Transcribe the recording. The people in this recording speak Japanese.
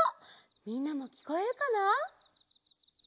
みんなもきこえるかな？